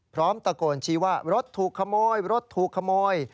พร้อมตะโกนชี้ว่ารถถูกขโมยรถถูกขโมย